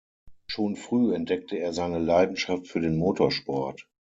Schon früh entdeckte er seine Leidenschaft für den Motorsport.